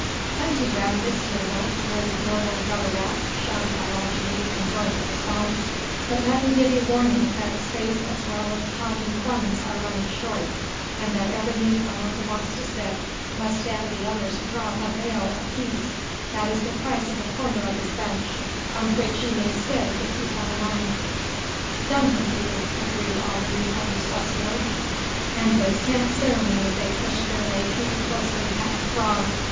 "Plenty round this table, O noble Gutter rat," shouted Diogenes in joyful response, "but let me give you warning that space as well as common funds are running short, and that every newcomer who wants to sit must stand the others a draught of ale apiece; that is the price of a corner of this bench on which ye may sit if ye have a mind." "Done with you," agreed all the newcomers lustily, and with scant ceremony they pushed their way through the closely packed throng.